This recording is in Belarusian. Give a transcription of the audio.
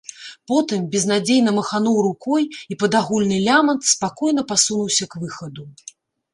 Потым безнадзейна махануў рукой і пад агульны лямант спакойна пасунуўся к выхаду.